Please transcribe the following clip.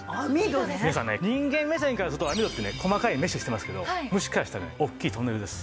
皆さんね人間目線からすると網戸ってね細かいメッシュしてますけど虫からしたら大きいトンネルです。